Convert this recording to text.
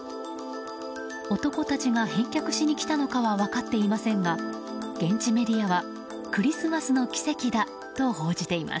男たちが返却しにきたのかは分かっていませんが現地メディアはクリスマスの奇跡だと報じています。